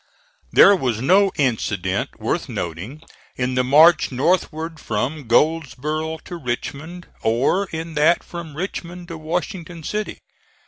There was no incident worth noting in the march northward from Goldsboro, to Richmond, or in that from Richmond to Washington City.